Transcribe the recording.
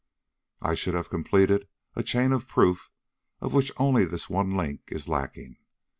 "I should have completed a chain of proof of which only this one link is lacking.